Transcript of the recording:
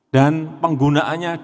dan penggunaannya delapan jam